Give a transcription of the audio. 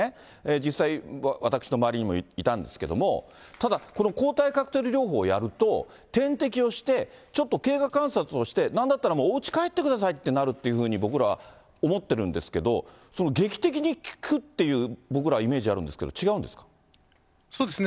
実際、私の周りにもいたんですけれども、ただ、この抗体カクテル療法やると、点滴をして、ちょっと経過観察をして、なんだったらもうおうち帰ってくださいってなるって、僕らは思ってるんですけれども、その劇的に効くっていう僕らはイメージあるんですけど、違うんでそうですね。